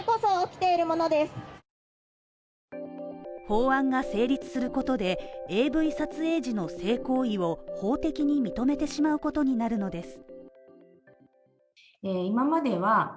法案が成立することで、ＡＶ撮影時の性行為を法的に認めてしまうことになるのです。